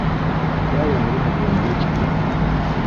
Atwala omulimu gwe ng'ekikulu.